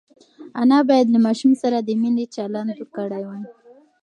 انا باید له ماشوم سره د مینې چلند کړی وای.